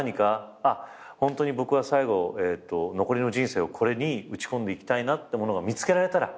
あっホントに僕は最後残りの人生をこれに打ち込んでいきたいなってものが見つけられたら。